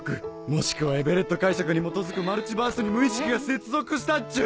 もしくはエヴェレット解釈に基づくマルチバースに無意識が接続したっちゅう。